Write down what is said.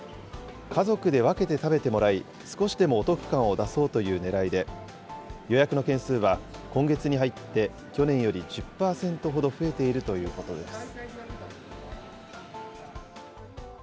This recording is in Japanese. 家族で分けて食べてもらい、少しでもお得感を出そうというねらいで、予約の件数は今月に入って去年より１０％ほど増えているということです。